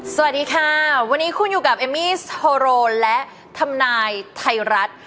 สวัสดีค่ะวันนี้คุณอยู่กับเอมมี่สโฮโรและทำนายไทยรัฐ